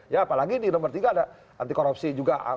ya apalagi di nomor tiga ada anti korupsi juga